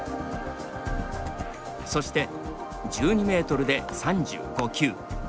そして１２メートルで３５球。